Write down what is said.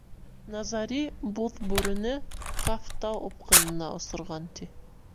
Назари Буҙ бүрене Ҡафтау упҡынына осорған, ти.